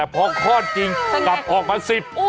พอคลอดจริงกลับออกมา๑๐